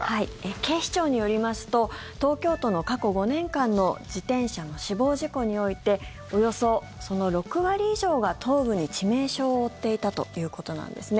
警視庁によりますと東京都の過去５年間の自転車の死亡事故においておよそ、その６割以上が頭部に致命傷を負っていたということなんです。